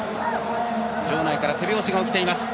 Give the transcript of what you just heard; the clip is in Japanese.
場内から手拍子が起きています。